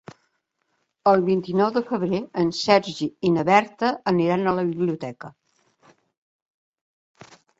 El vint-i-nou de febrer en Sergi i na Berta aniran a la biblioteca.